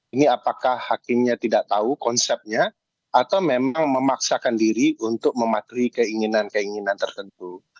ini apakah hakimnya tidak tahu konsepnya atau memang memaksakan diri untuk mematuhi keinginan keinginan tertentu